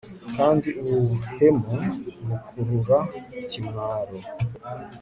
kandi ubuhemu bukurura ikimwaro